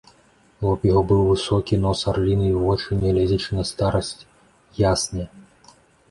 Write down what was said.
Лоб яго быў высокі, нос арліны і вочы, нягледзячы на старасць, ясныя.